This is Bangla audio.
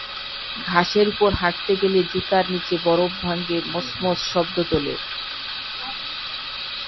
ঘাসের ওপর হাঁটতে গেলে জুতার নিচে বরফ ভাঙে মচমচ শব্দ তোলে।